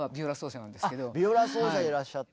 あっビオラ奏者でいらっしゃった。